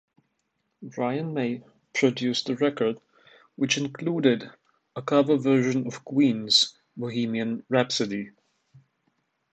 Brian May produced the record, which included a cover version of Queen's "Bohemian Rhapsody".